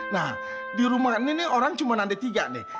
nah di rumah ini nih orang cuma ada tiga nih